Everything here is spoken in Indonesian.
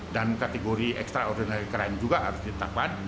dan kategori extraordinary crime juga harus ditetapkan